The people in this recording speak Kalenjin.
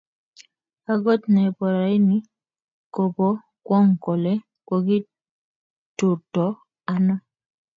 okot ne bo raini ko bo kwong kole kokiturto ano